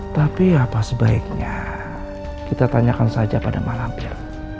tapi apa sebaiknya kita tanyakan saja pada mak lampir